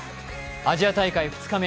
アジア大会２日目。